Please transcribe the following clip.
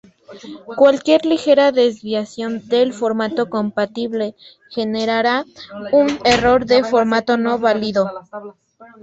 Cualquier ligera desviación del formato compatible, generará un error de "Formato no válido".